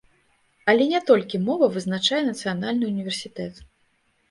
Але не толькі мова вызначае нацыянальны ўніверсітэт.